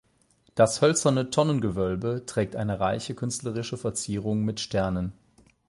Das hölzerne Tonnengewölbe trägt eine reiche künstlerische Verzierung mit Sternen.